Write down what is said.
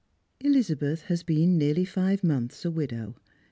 Elizabeth has been nearly five months a widow.